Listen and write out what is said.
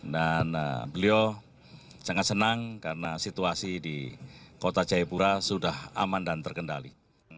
dan beliau sangat senang karena situasi di kota jayapura sudah aman dan terkendali